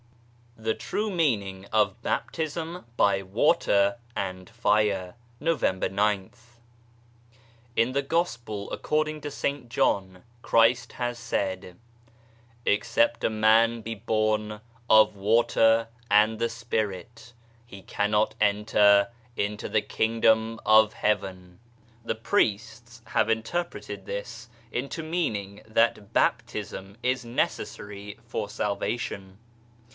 THE TRUE MEANING OF BAPTISM BY WATER AND FIRE November gth. TN the Gospel according to St. John, Christ has said :" Except a man be born of water and the Spirit, he cannot enter into the Kingdom of Heaven/ 1 x The 1 St. John iii., 5. 74 MEANING OF BAPTISM priests have interpreted this into meaning that Baptism is necessary for salvation.